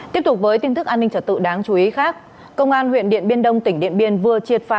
tiếp tục với tin tức an ninh trật tự đáng chú ý khác công an huyện điện biên đông tỉnh điện biên vừa triệt phá